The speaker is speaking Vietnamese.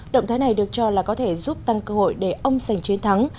động thái này được cho là có thể giúp tăng cơ hội để ông sành chiến thắng